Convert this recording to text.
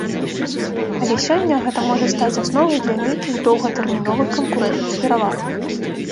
Але сёння гэта можа стаць асновай для нейкіх доўгатэрміновых канкурэнтных пераваг.